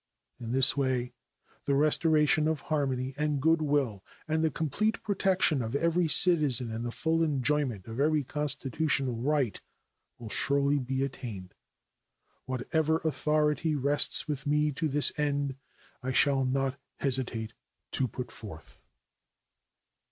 In this way the restoration of harmony and good will and the complete protection of every citizen in the full enjoyment of every constitutional right will surely be attained. Whatever authority rests with me to this end I shall not hesitate to put forth.